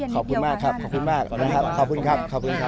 ขอบคุณมากขอบคุณครับ